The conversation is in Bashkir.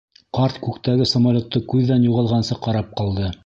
Ҡарт күктәге самолетты күҙҙән юғалғансы ҡарап ҡалды.